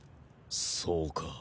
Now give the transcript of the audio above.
そうか。